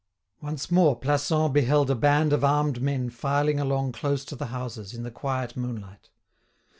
Once more Plassans beheld a band of armed men filing along close to the houses, in the quiet moonlight.